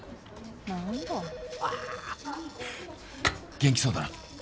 元気そうだな。